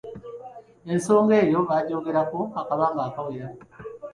Ensonga eyo baagyogerako akabanga akawera.